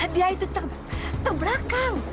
dia itu terbelakang